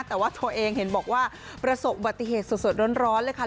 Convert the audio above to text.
แต่ว่าเธอเองเห็นบอกว่าประสบอุบัติเหตุสดร้อนเลยค่ะ